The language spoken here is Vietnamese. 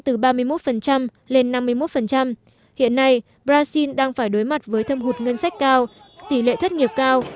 từ ba mươi một lên năm mươi một hiện nay brazil đang phải đối mặt với thâm hụt ngân sách cao tỷ lệ thất nghiệp cao